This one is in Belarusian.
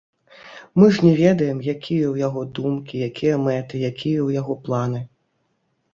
Мы ж не ведаем, якія ў яго думкі, якія мэты, якія ў яго планы.